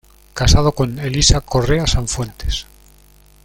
Casado con "Elisa Correa Sanfuentes".